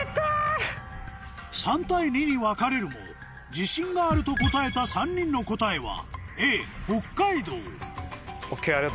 ３対２に分かれるも自信があると答えた３人の答えはＡ北海道ＯＫ。